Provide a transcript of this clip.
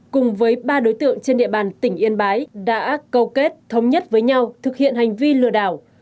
cùng với ba đối tượng trên địa bàn tỉnh yên bái đã câu kết thống nhất với nhau thực hiện hành vi lừa đảo